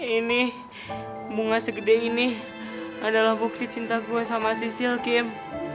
ini bunga segede ini adalah bukti cinta gue sama cicil kim